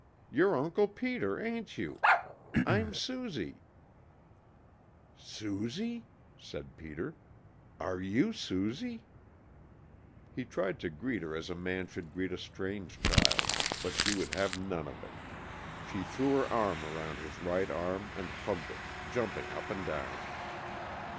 "You 're Uncle Peter, ain't you? I'm Susie!" "Susie?" said Peter. "Are you Susie?" He tried to greet her as a man should greet a strange child, but she would have none of it. She threw her arm around his right arm and hugged it, jumping up and down.